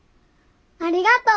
ありがとう。